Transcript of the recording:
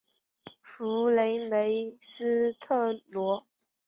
弗雷梅斯特罗。